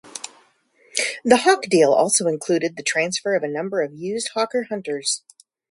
The Hawk deal also included the transfer of a number of used Hawker Hunters.